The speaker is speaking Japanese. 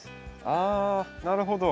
あなるほど。